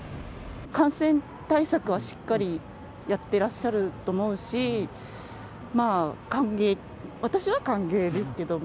感染対策はしっかりやってらっしゃると思うし、まあ歓迎、私は歓迎ですけども。